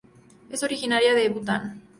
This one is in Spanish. Es originaria de Bhután.